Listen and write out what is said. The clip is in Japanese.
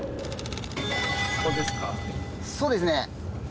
そうですね。